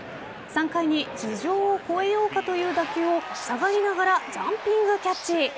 ３回に頭上を越えようかという打球を下がりながらジャンピングキャッチ。